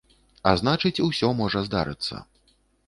А значыць, усё можа здарыцца.